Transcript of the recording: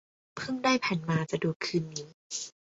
เพิ่งได้แผ่นมา จะดูคืนนี้